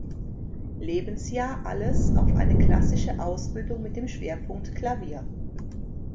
Lebensjahr alles auf eine klassische Ausbildung mit dem Schwerpunkt Klavier.